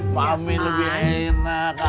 mami lebih enak